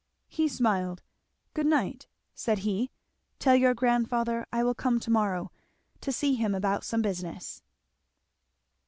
He smiled. "Good night," said he. "Tell your grandfather I will come to morrow to see him about some business."